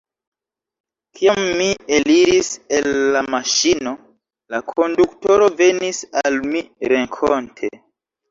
Kiam mi eliris el la maŝino, la konduktoro venis al mi renkonte.